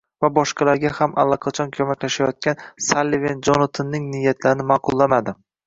va boshqalarga ham allaqachon ko‘maklashayotgan Salliven Jonatanning niyatlarini ma’qullamadi.